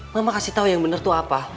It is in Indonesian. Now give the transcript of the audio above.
mama kasih tau yang bener tuh apa